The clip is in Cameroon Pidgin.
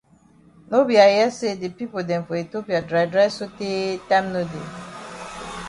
No be I hear say the pipo dem for Ethiopia dry dry so tey time no dey.